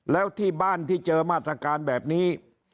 แล้วที่บ้านที่เจอมาตรการแบบนี้